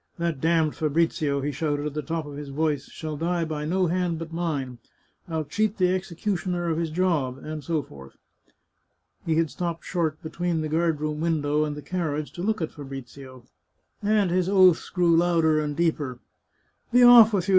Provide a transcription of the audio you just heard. " That d — d Fabrizio," he shouted at the top of his voice, " shall die by no hand but mine ! I'll cheat the executioner of his job," and so forth. He had stopped short between the guard room window and the carriage to look at Fabrizio, and his oaths grew louder and deeper. " Be off with you